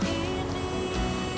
sampai saat ini